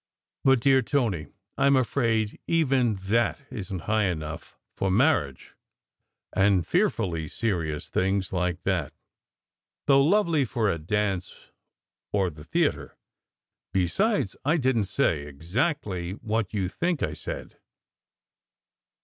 "But, dear Tony, I m afraid even that isn t high enough for for marriage, and fearfully serious things like that, though lovely for a dance or the theatre. Besides, I didn t say exactly what you think I said."